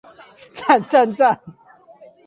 讚讚讚